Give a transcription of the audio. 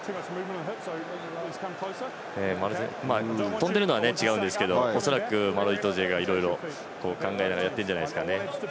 跳んでいるのは違うんですけど恐らくマロ・イトジェがいろいろ考えながらやっているんじゃないですかね。